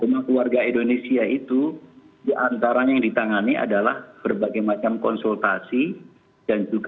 rumah keluarga indonesia itu diantara yang ditangani adalah berbagai macam konsumen